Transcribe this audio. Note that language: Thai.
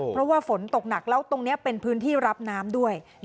เพราะว่าฝนตกหนักแล้วตรงนี้เป็นพื้นที่รับน้ำด้วย